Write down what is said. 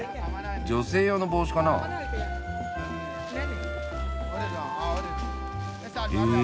女性用の帽子かな？へ